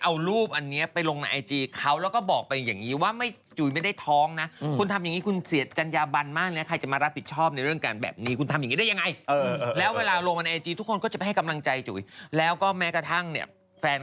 อัศรพันธ์ก็ได้นี่แต่ฉันอยากจะเล่าเรื่องนี้ใจนะถ้าเบื้อน